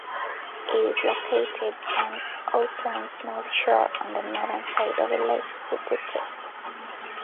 It is located on Auckland's North Shore on the northern side of Lake Pupuke.